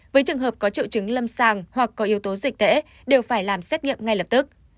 với trường hợp có triệu chứng lâm sàng hoặc có yếu tố dịch tễ đều phải làm xét nghiệm ngay lập tức